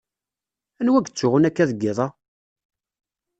Anwa yettsuɣun akka deg iḍ-a?